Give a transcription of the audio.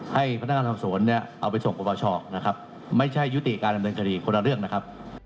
ให้พนักงานสอบสวนเนี่ยเอาไปส่งปรปชนะครับไม่ใช่ยุติการดำเนินคดีคนละเรื่องนะครับ